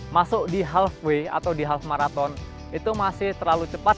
masuk di halfway atau di half marathon itu masih terlalu cepat